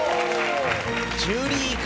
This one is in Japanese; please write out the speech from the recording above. ジュリーか。